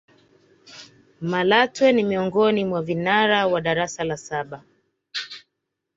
malatwe ni miongoni mwa vinara wa darasa la saba